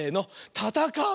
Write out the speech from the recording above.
「たたかう」！